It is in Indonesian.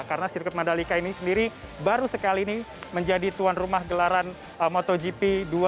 karena sirkuit mandalika ini sendiri baru sekali ini menjadi tuan rumah gelaran motogp dua ribu dua puluh dua